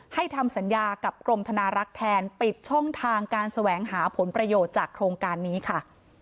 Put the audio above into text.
ทำสัญญากับกรมธนารักษ์แทนปิดช่องทางการแสวงหาผลประโยชน์จากโครงการนี้ค่ะ